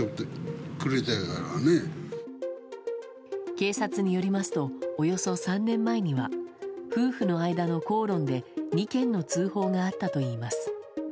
警察によりますとおよそ３年前には夫婦の間の口論で２件の通報があったといいます。